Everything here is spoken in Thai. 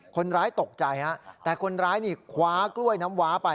คนร้ายตกใจฮะแต่คนร้ายนี่คว้ากล้วยน้ำว้าไป